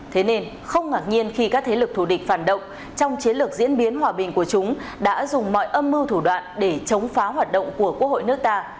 thế nên không ngạc nhiên khi các thế lực thù địch phản động trong chiến lược diễn biến hòa bình của chúng đã dùng mọi âm mưu thủ đoạn để chống phá hoạt động của quốc hội nước ta